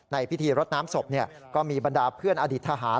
ในพิธีรดน้ำศพเนี่ยก็มีบรรดาเพื่อนอดิษฐาหาร